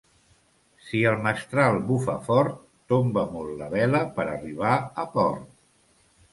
Si el mestral bufa fort, tomba molt la vela per arribar a port.